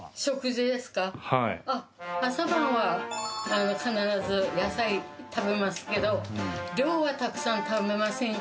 朝晩は必ず野菜食べますけど量はたくさん食べませんから。